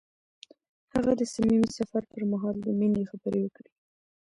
هغه د صمیمي سفر پر مهال د مینې خبرې وکړې.